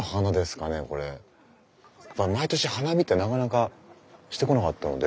毎年花見ってなかなかしてこなかったので。